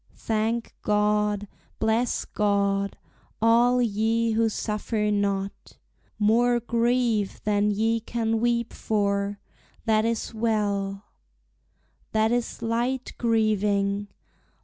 Thank God, bless God, all ye who suffer not More grief than ye can weep for. That is well That is light grieving!